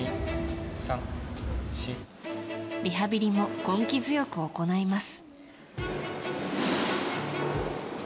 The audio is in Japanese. リハビリも根気強く行います。